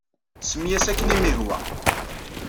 Semmi-as akken ay am-yehwa.